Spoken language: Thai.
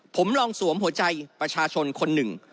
ผมลองสวมหัวใจประชาชนคนหนึ่ง